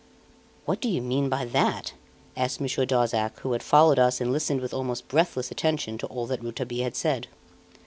"What do you mean by that?" asked Monsieur Darzac, who had followed us and listened with almost breathless attention to all that Rouletabille had said.